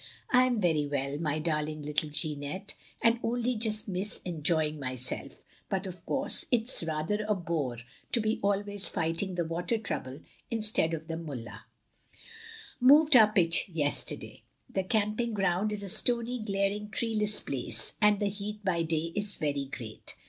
I am very well, my darling little Jeannette, and only just miss enjoying myself; but of course it 's rather a bore to be always fighting the water trouble instead of the Mullah. ..*'... Moved our pitch yesterday. The camping ground is a stony glaring treeless place, and the heat by day is very great.